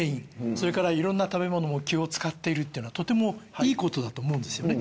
それからいろんな食べ物も気を遣ってるっていうのはとてもいいことだと思うんですよね。